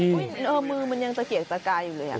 อุ้ยมือมันยังเกียรติสกายอยู่เลยอ่ะ